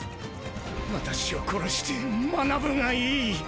私を殺して学ぶがいい！！